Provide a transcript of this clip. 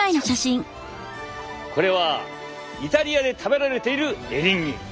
これはイタリアで食べられているエリンギ。